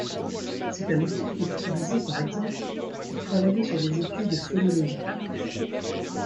C'est un outil qui est utilisé par exemple pour travailler sur des études phonologiques.